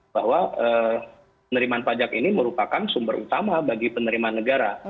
bahwa penerimaan pajak ini merupakan sumber utama bagi penerimaan negara